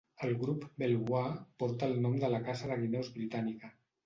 El grup "Belvoir" porta el nom de la caça de guineus britànica.